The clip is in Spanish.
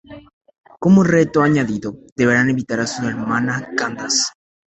Como reto añadido, deberán evitar a su hermana Candace.